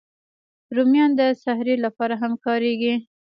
رومیان د سحري لپاره هم کارېږي